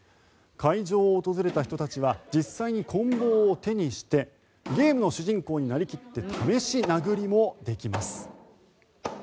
会場を訪れた人たちは実際にこん棒を手にしてゲームの主人公になり切って試し殴りもできます。